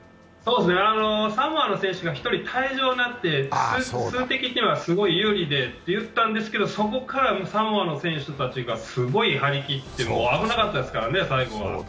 サモアの選手が１人退場になって、数的にはすごい有利で、そこからサモアの選手たちがすごい張り切って危なかったですからね、最後は。